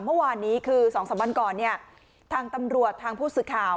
เมื่อวานนี้คือสองสัปดาห์บันก่อนเนี่ยทางตำรวจทางผู้สืบข่าว